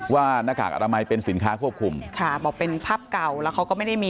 หน้ากากอนามัยเป็นสินค้าควบคุมค่ะบอกเป็นภาพเก่าแล้วเขาก็ไม่ได้มี